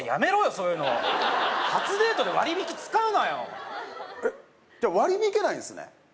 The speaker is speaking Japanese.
そういうの初デートで割引使うなよえっじゃ割り引けないんすね？